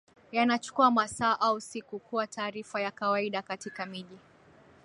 Yanachukua masaa au siku kuwa taarifa ya kawaida katika miji